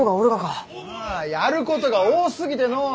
ああやることが多すぎてのう。